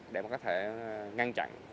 để mà có thể ngăn chặn